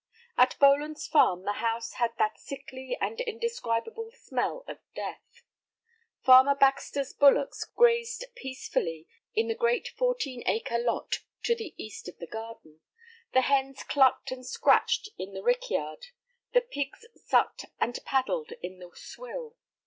At Boland's Farm the house had that sickly and indescribable smell of death. Farmer Baxter's bullocks grazed peacefully in the great fourteen acre lot to the east of the garden; the hens clucked and scratched in the rickyard; the pigs sucked and paddled in the swill.